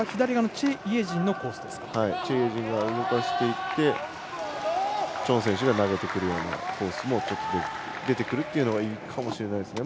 チェ・イェジンが動かしていってチョン選手が投げてくるコースも出てくるというのがいいかもしれないですね。